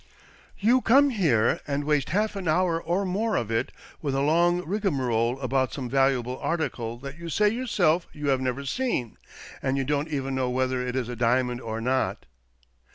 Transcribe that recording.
CASE OF THE '' MIBEOR OF PORTUGAL" 113 You come here and waste half an hour or more of it with a long rigmarole about some valuable article that you say yourself you have never seen, and you don't even know whether it is a diamond or not.